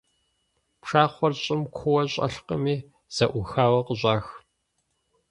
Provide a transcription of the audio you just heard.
Пшахъуэр щӀым куууэ щӀэлъкъыми зэӀухауэ къыщӀах.